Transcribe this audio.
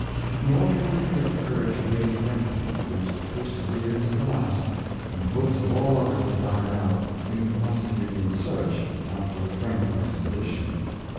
Nor can we forget the courage of Lady Franklin, who persevered to the last, when the hopes of all others had died out, in prosecuting the search after the Frank lin Expedition.